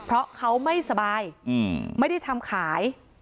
เพราะเขาไม่สบายไม่ได้ทำขาย